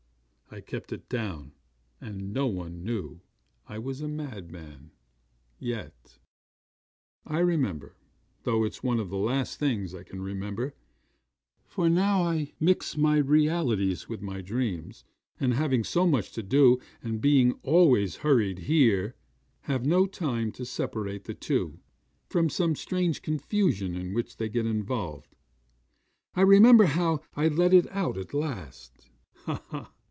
I kept it down; and no one knew I was a madman yet. 'I remember though it's one of the last things I can remember: for now I mix up realities with my dreams, and having so much to do, and being always hurried here, have no time to separate the two, from some strange confusion in which they get involved I remember how I let it out at last. Ha! ha!